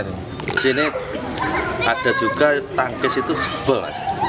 di sini ada juga tangkis itu jebol